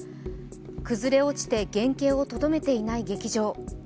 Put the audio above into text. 崩れ落ちて原形をとどめていない劇場。